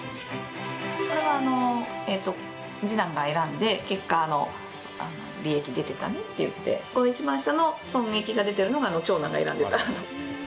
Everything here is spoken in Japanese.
これは次男が選んで結果、利益が出てたねと言って一番下の損益が出ているのが長男が選んでいた。